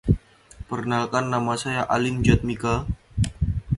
It stars Tarun Shetty and Avantika Mishra.